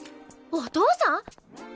お父さん！